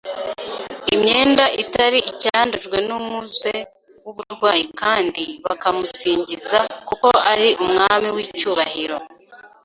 imyenda itari icyandujwe n'umuze w'uburwayi kandi bakamusingiza kuko ari Umwami w'icyubahiro.